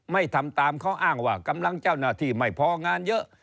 ไม่ทำตามเขาอ้างว่ากำลังเจ้าหน้าที่ไม่พองานเยอะ